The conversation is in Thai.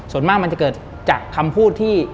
ส่วนมากมันจะเกิดจากคำพูดที่